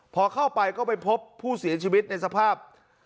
พอเข้าไปก็ไปพบผู้เสียชีวิตในสภาพ